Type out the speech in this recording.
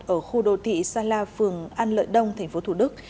ở khu đô thị sa la phường an lợi đông thành phố thủ đức